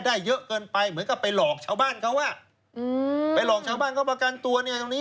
ระเมิดอำหน้าศาลครับ